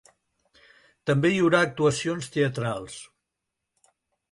També hi haurà actuacions teatrals.